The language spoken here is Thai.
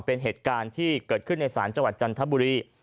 เป็นเหตุการณ์ที่เกิดขึ้นในศาลจังหวัดจันทบุรี